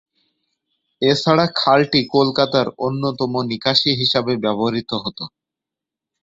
এছাড়া খালটি কলকাতার অন্যতম নিকাশি হিসাবে ব্যবহৃত হত।